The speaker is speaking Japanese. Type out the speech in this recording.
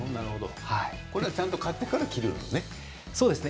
これはちゃんと買ってから着るのね。